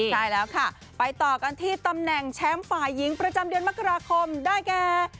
ใช่แล้วค่ะไปต่อกันที่ตำแหน่งแชมป์ฝ่ายหญิงประจำเดือนมกราคมได้แก่